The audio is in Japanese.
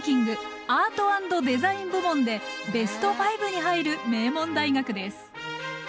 アート＆デザイン部門でベスト５に入る名門大学です。